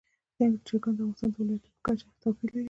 چرګان د افغانستان د ولایاتو په کچه توپیر لري.